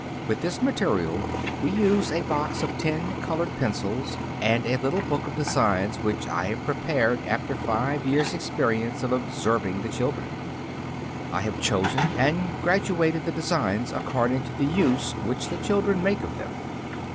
With this material we use a box of ten colored pencils and a little book of designs which I have prepared after five years' experience of observing the children. I have chosen and graduated the designs according to the use which the children made of them.